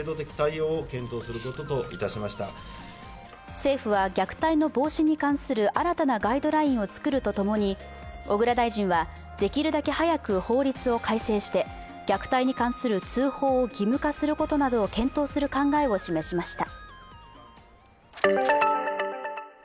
政府は虐待の防止に関する新たなガイドラインを作ると共に小倉大臣は、できるだけ早く法律を改正して虐待に関する通報を義務化することなどを検討する考えを示しました。